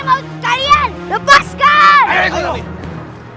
aku tidak mau sekalian